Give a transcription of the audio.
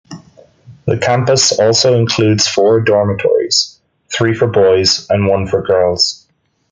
The campus also includes four dormitories: three for boys and one for girls.